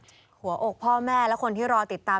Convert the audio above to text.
หัวอกพ่อแม่และคนที่รอติดตาม